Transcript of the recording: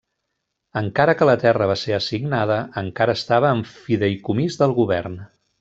Encara que la terra va ser assignada, encara estava en fideïcomís del govern.